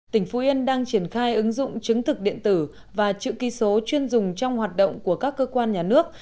tỉnh phú yên đang triển khai ứng dụng chứng thực điện tử và chữ ký số chuyên dùng trong hoạt động của các cơ quan nhà nước